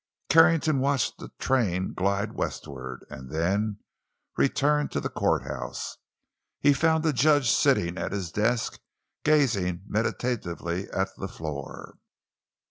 Carrington watched the train glide westward, and then returned to the courthouse. He found the judge sitting at his desk, gazing meditatively at the floor.